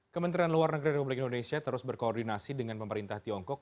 kementerian luar negeri republik indonesia terus berkoordinasi dengan pemerintah tiongkok